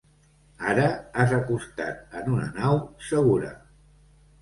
Ara has acostat en una nau segura.